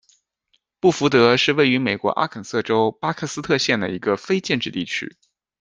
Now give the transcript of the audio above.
布福德是位于美国阿肯色州巴克斯特县的一个非建制地区。